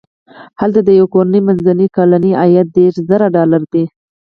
هلته د یوې کورنۍ منځنی کلنی عاید دېرش زره ډالر دی.